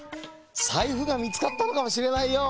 さいふがみつかったのかもしれないよ。